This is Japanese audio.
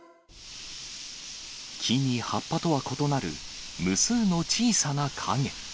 木に葉っぱとは異なる無数の小さな影。